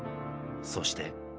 そして。